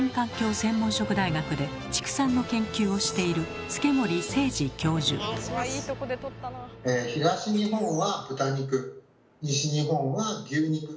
専門職大学で畜産の研究をしている東日本は豚肉西日本は牛肉。